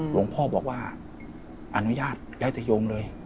หลวงพ่อบอกว่าอนุญาตแล้วจะโยงเลย